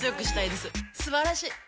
すばらしい！